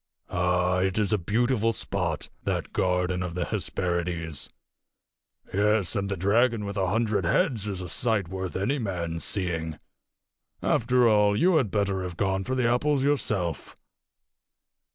Ah, it is a beautiful spot, that garden of the Hesperides! Yes, and the dragon with a hundred heads is a sight worth any man's seeing. After all, you had better have gone for the apples yourself."